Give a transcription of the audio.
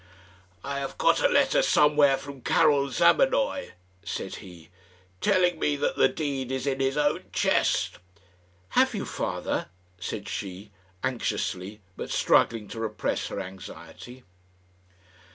"I have got a letter somewhere from Karil Zamenoy," said he, "telling me that the deed is in his own chest." "Have you, father?" said she, anxiously, but struggling to repress her anxiety.